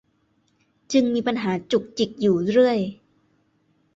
จึงมีปัญหาจุกจิกอยู่เรื่อย